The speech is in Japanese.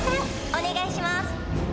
お願いします。